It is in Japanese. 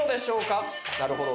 なるほど。